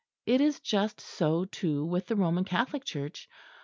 It is just so, too, with the Roman Catholic Church.